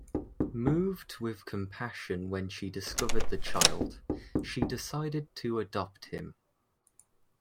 Moved with compassion when she discovered the child, she decided to adopt him.